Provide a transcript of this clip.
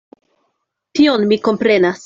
Tion mi komprenas.